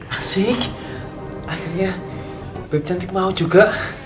asyik akhirnya beb cantik mau juga